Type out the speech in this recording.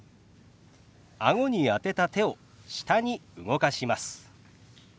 あごに当てた手を下に動かします。